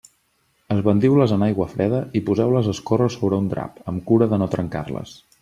Esbandiu-les en aigua freda i poseu-les a escórrer sobre un drap, amb cura de no trencar-les.